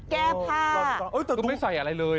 แก้ผ้า